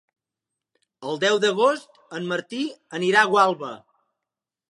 El deu d'agost en Martí anirà a Gualba.